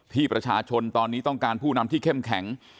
ที่ประชาชนตอนนี้ต้องการผู้นำที่เข้มแข็ง